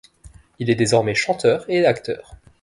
Il est désormais chanteur et acteur.